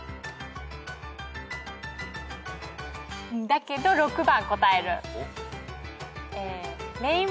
だけど６番答える。